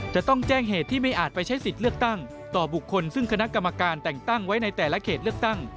จะต้องแจ้งเหตุที่ไม่อาจไปใช้สิทธิ์เลือกตั้งต่อบุคคลซึ่งคณะกรรมการแต่งตั้งไว้ในแต่ละเขตเลือกตั้ง